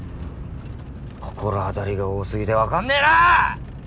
心当たりが多すぎて分かんねぇな！